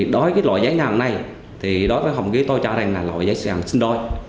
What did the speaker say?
đối với loại giấy nhận này đối với hồng ký tôi cho rằng là loại giấy nhận xinh đôi